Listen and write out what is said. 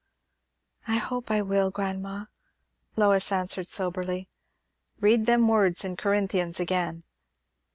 "I hope I will, grandma," Lois answered soberly. "Read them words in Corinthians again."